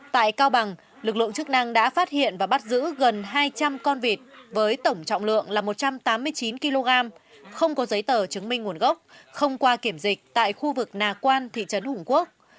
tại cao bằng lực lượng chức năng đã phát hiện và bắt giữ gần hai trăm linh con vịt với tổng trọng lượng là một trăm tám mươi chín kg không có giấy tờ chứng minh nguồn gốc không qua kiểm dịch tại khu vực nà quan thị trấn hùng quốc